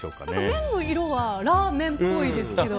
麺の色はラーメンっぽいですけど。